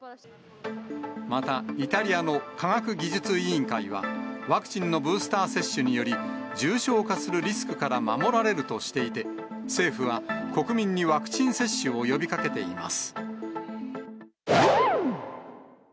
またイタリアの科学技術委員会は、ワクチンのブースター接種により、重症化するリスクから守られるとしていて、政府は国民にワクチン接種を呼びかけています。